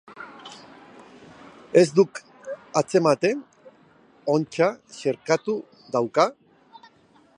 Ez duk atzematen? Ontsa xerkatu duka?